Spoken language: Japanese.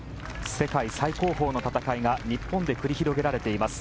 世界最高峰の戦いが日本で繰り広げられています